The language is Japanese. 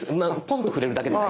ポンと触れるだけで。